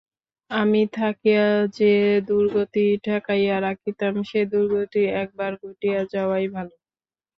আমি থাকিয়া যে-দুর্গতি ঠেকাইয়া রাখিতাম, সে-দুর্গতি একবার ঘটিয়া যাওয়াই ভালো।